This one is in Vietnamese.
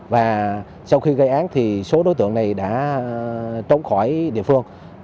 và sau khi gây án thì số đối tượng này đã trốn khỏi địa phương